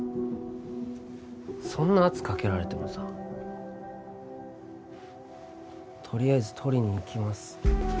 そんな圧かけられてもさとりあえずとりに行きます